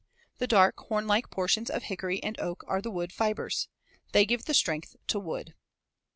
The dark, horn like portions of hickory and oak are the woodfibers. They give the strength to wood.